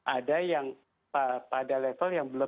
ada yang pada level yang belum